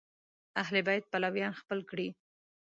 اهل بیت پلویان خپل کړي